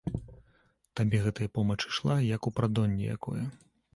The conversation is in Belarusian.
Табе гэтая помач ішла, як у прадонне якое.